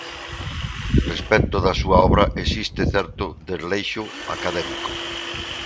Respecto da súa obra existe certo desleixo académico.